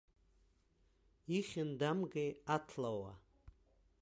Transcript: Ихьын дамгеи аҭлауа!